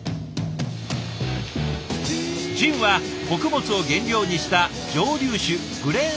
ジンは穀物を原料にした蒸留酒グレーン